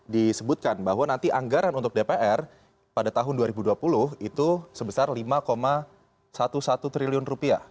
disebutkan bahwa nanti anggaran untuk dpr pada tahun dua ribu dua puluh itu sebesar rp lima sebelas triliun